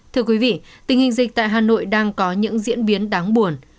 thưa quý vị tình hình dịch tại hà nội đang có những diễn biến đáng buồn